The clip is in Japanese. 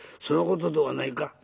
そのことではないか？」。